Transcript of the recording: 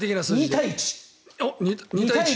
２対１！